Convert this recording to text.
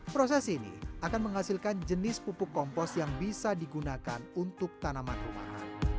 proses ini akan menghasilkan jenis pupuk kompos yang bisa digunakan untuk tanaman rumah